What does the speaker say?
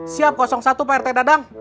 siap satu pak rt dadang